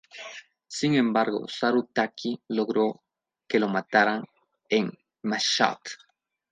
Sin embargo, Saru Taqi logró que lo mataran en Mashhad.